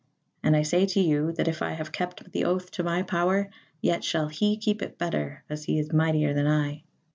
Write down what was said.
And I say to you, that if I have kept the oath to my power, yet shall he keep it better, as he is mightier than I.